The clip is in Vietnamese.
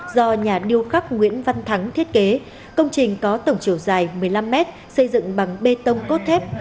do nhà điêu khắc nguyễn văn thắng thiết kế công trình có tổng chiều dài một mươi năm mét xây dựng bằng bê tông cốt thép